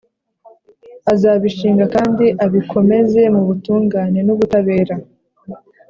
azabishinga kandi abikomeze mu butungane n’ubutabera,